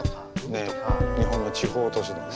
日本の地方都市のね。